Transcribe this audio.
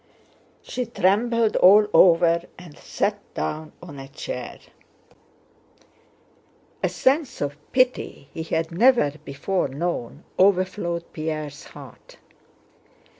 She trembled all over and sat down on a chair. A sense of pity he had never before known overflowed Pierre's heart.